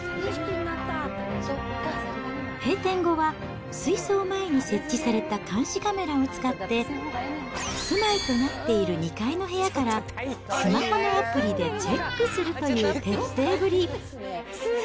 閉店後は水槽前に設置された監視カメラを使って、住まいとなっている２階の部屋からスマホのアプリでチェックするという徹底ぶり。